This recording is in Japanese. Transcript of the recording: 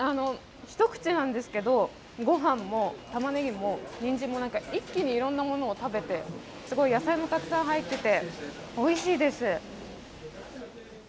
一口なんですけどごはんもたまねぎもにんじんも一気にいろんなものを食べてすごい野菜もたくさん入ってておいしいです。